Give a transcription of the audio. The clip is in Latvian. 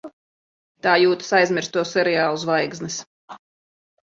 Tā jūtas aizmirsto seriālu zvaigznes.